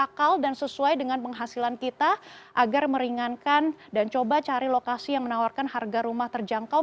dan yang kedua yang harus dipakai dengan penghasilan kita agar meringankan dan coba cari lokasi yang menawarkan harga rumah terjangkau